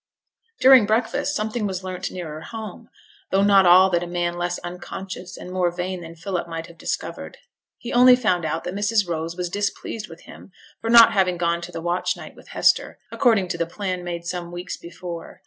During breakfast something was learnt nearer home; though not all that a man less unconscious and more vain than Philip might have discovered. He only found out that Mrs. Rose was displeased with him for not having gone to the watch night with Hester, according to the plan made some weeks before.